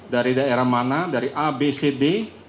dari daerah mana dari a b c d